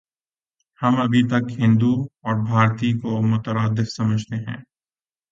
ہم ابھی تک 'ہندو‘ اور 'بھارتی‘ کو مترادف سمجھتے ہیں۔